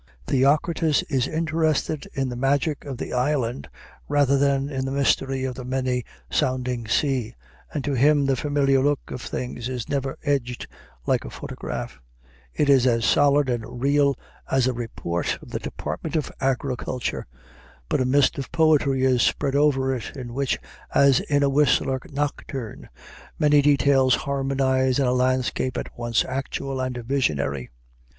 Theocritus is interested in the magic of the island rather than in the mystery of the many sounding sea, and to him the familiar look of things is never edged like a photograph; it is as solid and real as a report of the Department of Agriculture, but a mist of poetry is spread over it, in which, as in a Whistler nocturne, many details harmonize in a landscape at once actual and visionary.